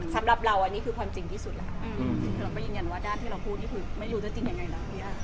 สำหรับเราอันนี้คือความจริงที่สุดแล้วคือเราก็ยืนยันว่าด้านที่เราพูดนี่คือไม่รู้จะจริงยังไงล่ะ